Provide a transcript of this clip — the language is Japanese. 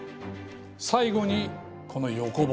最後にこの横棒。